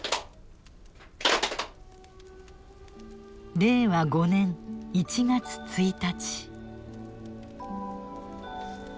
令和５年１月１日。